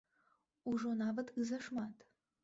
Ужо нават і зашмат.